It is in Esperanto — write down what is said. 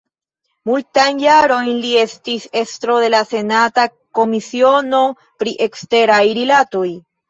Multajn jarojn li estis estro de la senata komisiono pri eksteraj rilatoj.